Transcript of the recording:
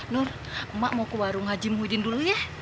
nur mak mau ke warung haji muhyiddin dulu ya